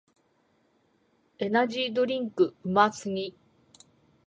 エナジードリンクうますぎ